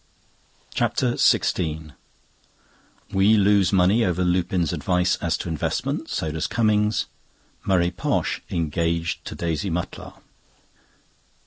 CHAPTER XVI We lose money over Lupin's advice as to investment, so does Cummings. Murray Posh engaged to Daisy Mutlar.